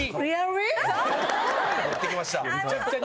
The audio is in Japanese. ノってきました。